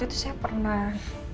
waktu itu saya pernah